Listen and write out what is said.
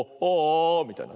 みたいな。